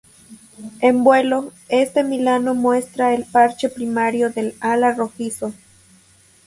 En vuelo, este milano muestra el parche primario del ala rojizo.